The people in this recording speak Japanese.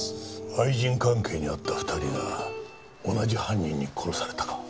愛人関係にあった２人が同じ犯人に殺されたか。